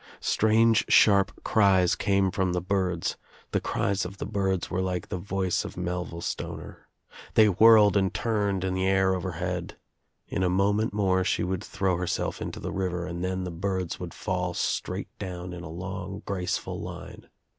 Strange sharp cries came from [the birds. The cries of the birds were like the voice of Melville Stoner. They whirled and turned In the air overhead. In a moment more she would throw herself into the river and then the birds would fall straight down in a long graceful line.